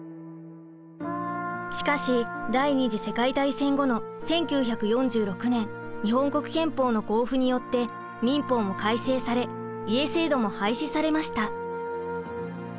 しかし第２次世界大戦後の１９４６年日本国憲法の公布によって民法も改正され家制度も廃止されました。